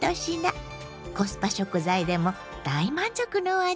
コスパ食材でも大満足のお味です。